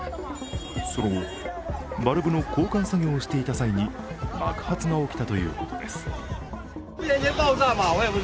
その後、バルブの交換作業をしていた際に爆発が起きたということです。